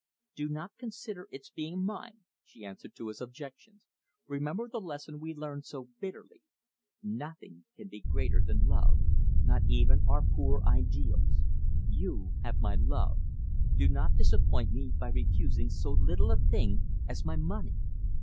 "Do not consider its being mine," she answered to his objections. "Remember the lesson we learned so bitterly. Nothing can be greater than love, not even our poor ideals. You have my love; do not disappoint me by refusing so little a thing as my money."